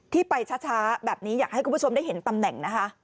ที่ไปช้าแบบนี้อยากให้คุณผู้ชมได้เห็นตำแหน่งนะคะ